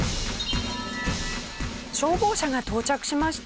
消防車が到着しました。